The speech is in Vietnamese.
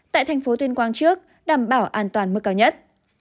tại thành phố tuyên quang trước đảm bảo an toàn mức cao nhất